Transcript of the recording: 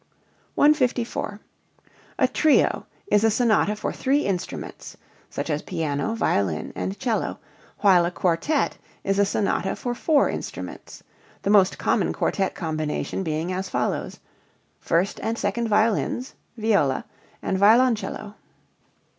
154. A trio is a sonata for three instruments (such as piano, violin, and cello), while a quartet is a sonata for four instruments, the most common quartet combination being as follows: First and second violins, viola, and violoncello.